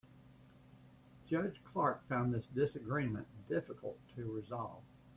Judge Clark found this disagreement difficult to resolve.